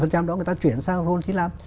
thì chúng ta chuyển sang ron chín mươi năm